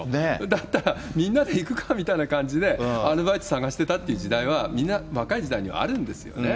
だったら、みんなで行くかみたいな感じで、アルバイト探してたって時代は、みんな、若い時代にはあるんですよね。